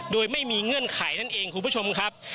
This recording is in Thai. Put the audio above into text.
โดยไม่มีเงื่อนไขนั่นเองคุณผู้ชมครับ